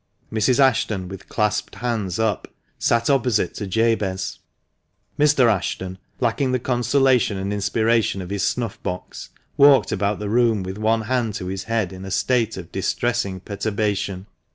Mrs. Ashton, with clasped hands up, sat opposite to Jabez ; Mr. Ashton, lacking the consolation and inspiration of his snuff box, walked about the room with one hand to his head in a state of distressing perturbation.